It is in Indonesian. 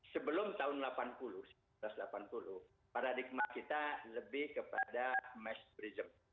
sebelum tahun delapan puluh seribu sembilan ratus delapan puluh paradigma kita lebih kepada mass tourism